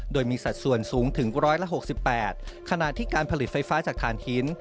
โดยมีสัดส่วนสูงถึง๑๖๘ขณะที่การผลิตไฟฟ้าจากฐานหิน